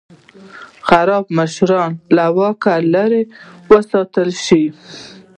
خراب مشران له واکه لرې وساتل شي.